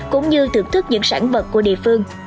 cũng như thưởng thức những sản vật của địa phương